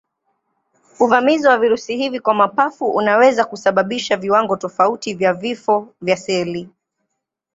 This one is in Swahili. Uvamizi wa virusi hivi kwa mapafu unaweza kusababisha viwango tofauti vya vifo vya seli.